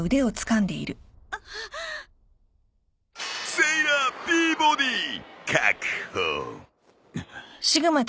セイラピーボディ確保。